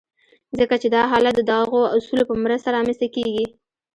ځکه چې دا حالت د دغو اصولو په مرسته رامنځته کېږي.